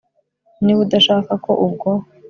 niba udashaka ko ubwo